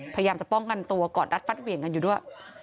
พยายามจะป้องกันตัวกอดรัดฟัดเหวี่ยงกันอยู่ด้วย